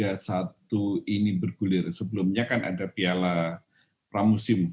liga satu ini bergulir sebelumnya kan ada piala pramusim